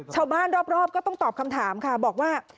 ชาวบ้านรอบก็ต้องตอบคำถามค่ะบอกว่า